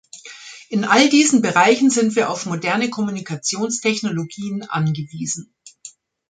In all diesen Bereichen sind wir auf moderne Kommunikationstechnologien angewiesen.